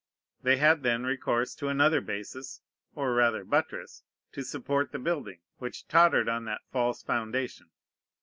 They had then recourse to another basis (or rather buttress) to support the building, which tottered on that false foundation.